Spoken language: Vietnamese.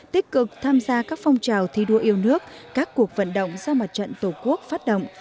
tích cực tham gia các phong trào thi đua yêu nước các cuộc vận động do mặt trận tổ quốc phát động